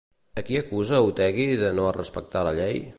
A qui acusa Otegi de no respectar la llei?